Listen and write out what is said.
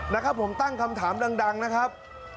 นะครับผมตั้งคำถามดังนะครับ